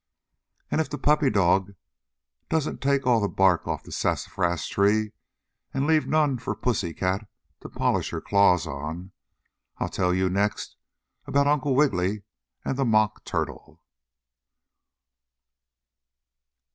And if the puppy dog doesn't take all the bark off the sassafras tree and leave none for the pussy cat to polish her claws on, I'll tell you next about Uncle Wiggily and the Mock Turtle.